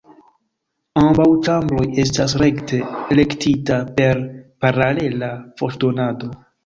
Ambaŭ ĉambroj estas rekte elektita per paralela voĉdonado.